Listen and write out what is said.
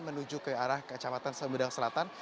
menuju ke arah kecamatan sumedang selatan